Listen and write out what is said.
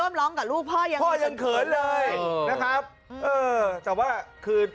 ขนาดพ่อไปร่วมร้องกับลูกพ่อยังเผ็ดเลย